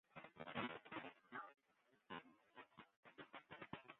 Ha ik nije voicemails?